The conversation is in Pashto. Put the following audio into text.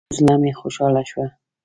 زړه مې خوشاله شو.